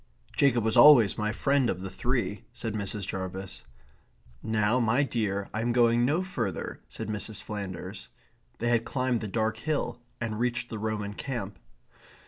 "Jacob was always my friend of the three," said Mrs. Jarvis. "Now, my dear, I am going no further," said Mrs. Flanders. They had climbed the dark hill and reached the Roman camp.